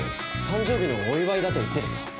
誕生日のお祝いだと言ってですか？